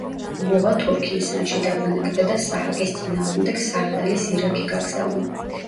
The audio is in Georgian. ბუღა თურქი ისანში დაბანაკდა და საჰაკის წინააღმდეგ სარდალი ზირაქი გაგზავნა.